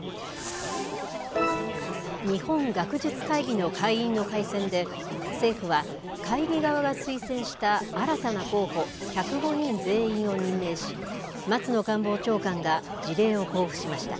日本学術会議の会員の改選で、政府は会議側が推薦した新たな候補１０５人全員を任命し、松野官房長官が辞令を交付しました。